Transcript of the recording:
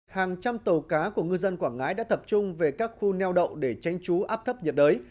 hàng trăm tàu cá của ngư dân quảng ngãi đã tập trung về các khu neo đậu để tránh trú áp thấp nhiệt đới